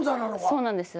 そうなんです。